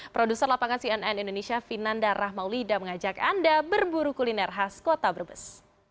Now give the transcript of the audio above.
produser lapangan cnn indonesia vinanda rahmaulida mengajak anda berburu kuliner khas kota brebes